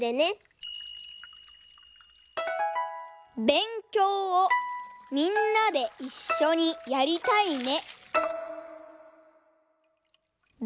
「べんきょうをみんなで一緒にやりたいね」。